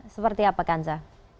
seperti apa kanza